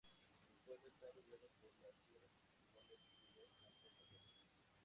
El pueblo está rodeado por las tierras cultivables y los campos abiertos.